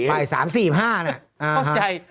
ไป๓๔๕เนี่ย